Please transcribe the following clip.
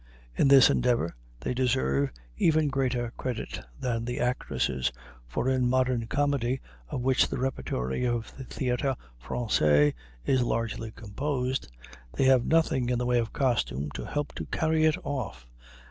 In this endeavour they deserve even greater credit than the actresses, for in modern comedy, of which the repertory of the Théâtre Français is largely composed, they have nothing in the way of costume to help to carry it off.